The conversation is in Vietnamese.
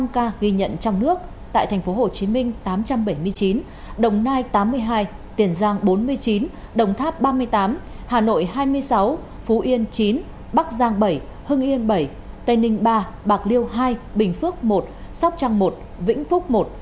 một một trăm linh năm ca ghi nhận trong nước tại thành phố hồ chí minh tám trăm bảy mươi chín đồng nai tám mươi hai tiền giang bốn mươi chín đồng tháp ba mươi tám hà nội hai mươi sáu phú yên chín bắc giang bảy hưng yên bảy tây ninh ba bạc liêu hai bình phước một sóc trăng một vĩnh phúc một